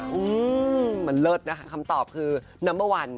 หื้อมันเลิศนะคะคำตอบคือน้ำเม่าอัน